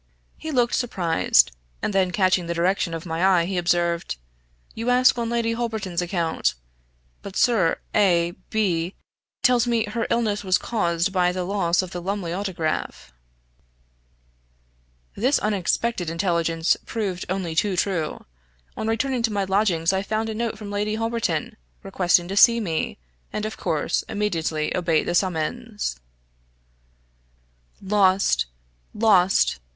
He looked surprised; and then catching the direction of my eye, he observed, "You ask on Lady Holberton's account; but Sir A B tells me her illness was caused by the loss of the Lumley Autograph." This unexpected intelligence proved only too true. On returning to my lodgings, I found a note from Lady Holberton, requesting to see me, and, of course, immediately obeyed the summons. "Lost! lost!